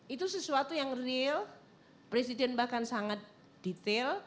itu sesuatu yang real presiden bahkan sangat detail